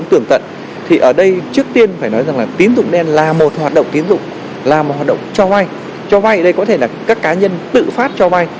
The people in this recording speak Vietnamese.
tổ chức tiến dụng đen có thể là các cá nhân tự phát cho vay